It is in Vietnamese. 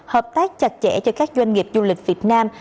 hợp tác chặt chẽ cho các doanh nghiệp du lịch việt nam